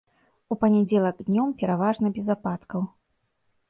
У панядзелак днём пераважна без ападкаў.